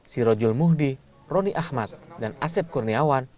sirojul muhdi rony ahmad dan asep kurniawan